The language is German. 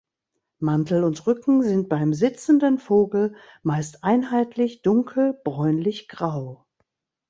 Mantel und Rücken sind beim sitzenden Vogel meist einheitlich dunkel bräunlichgrau.